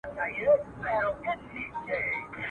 هوسا کړي مي لا نه وه د ژوند ستړي سفرونه.